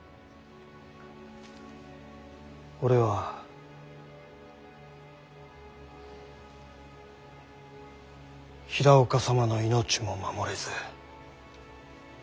俺は平岡様の命も守れず。